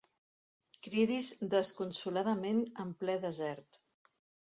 Cridis desconsoladament en ple desert.